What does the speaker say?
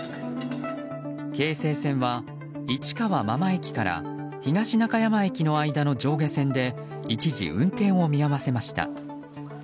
京成線は市川真間駅から東中山駅の間の上下線で一時運転を見合わせました。